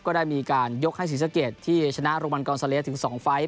ก็ได้มีการยกให้ศรีสะเกดที่ชนะโรมันกอนซาเลสถึง๒ไฟล์